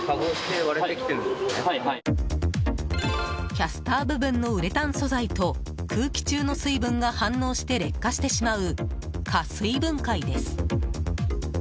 キャスター部分のウレタン素材と空気中の水分が反応して劣化してしまう加水分解です。